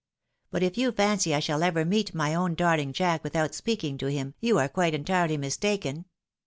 But if you fancy I shall ever meet my own darling Jack without speaking {o him, you are quite entirely mistaken.